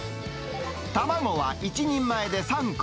卵は１人前で３個。